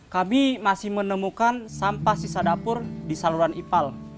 kami masih menemukan sampah sisa dapur di saluran ipal